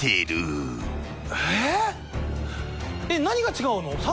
何が違うの？